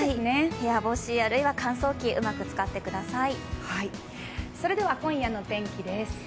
部屋干し、あるいは乾燥機うまく使ってください。